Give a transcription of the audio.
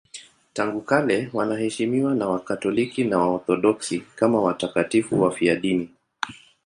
Tangu kale wanaheshimiwa na Wakatoliki na Waorthodoksi kama watakatifu wafiadini.